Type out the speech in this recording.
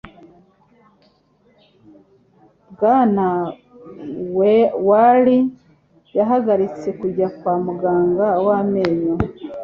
Bwana Wall yahagaritse kujya kwa muganga w'amenyo.